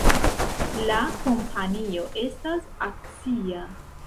La kompanio estas akcia.